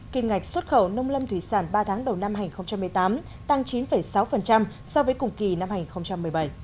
kim ngạch xuất khẩu nông lâm thủy sản ba tháng đầu năm hai nghìn một mươi tám tăng chín sáu so với cùng kỳ năm hai nghìn một mươi bảy